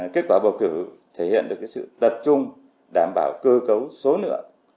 kết quả bầu cử thể hiện được sự tập trung đảm bảo cơ cấu số nửa